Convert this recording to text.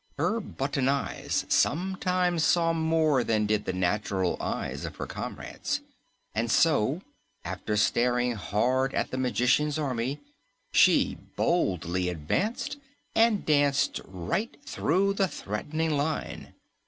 Her button eyes sometimes saw more than did the natural eyes of her comrades, and so after staring hard at the magician's army, she boldly advanced and danced right through the threatening line!